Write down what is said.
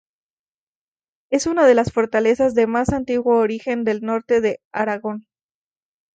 Es una de las fortalezas de más antiguo origen del norte de Aragón.